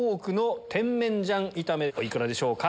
お幾らでしょうか？